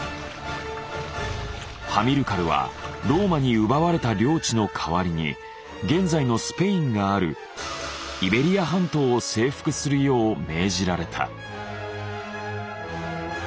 ハミルカルはローマに奪われた領地の代わりに現在のスペインがあるイベリア半島を征服するよう命じられた。